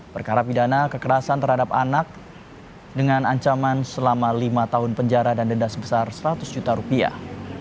perkara pidana kekerasan terhadap anak dengan ancaman selama lima tahun penjara dan denda sebesar seratus juta rupiah